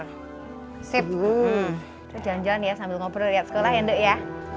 sambil berjalan jalan ya sambil ngobrol lihat sekolah ya ndek ya